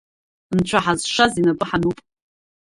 Нцәа Ҳазшаз инапы ҳануп.